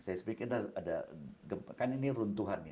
seismik itu ada gempa kan ini runtuhan ya